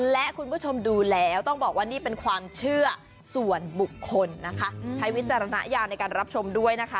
และคุณผู้ชมดูแล้วต้องบอกว่านี่เป็นความเชื่อส่วนบุคคลนะคะใช้วิจารณญาณในการรับชมด้วยนะคะ